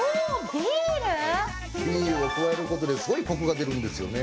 ビールを加えることですごいコクが出るんですよね。